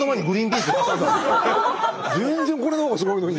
全然これの方がすごいのに。